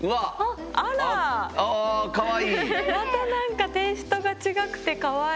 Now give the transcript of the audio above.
またなんかテイストが違くてかわいい。